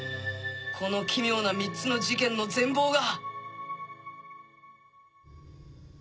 この奇妙な３つの事件の全貌が！